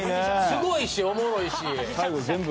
すごいしおもろいし。